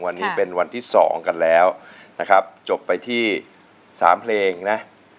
วันนี้เป็นวันที่๒กันแล้วนะครับจบไปที่๓เพลงนะ